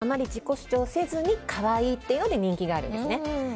控えめで、あまり自己主張せずに可愛いというので人気があるんですね。